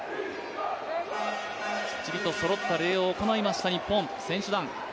きっちりとそろった礼をしました日本選手団。